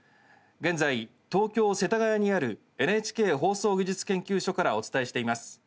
現在、東京・世田谷にあるＮＨＫ放送技術研究所からお伝えしています。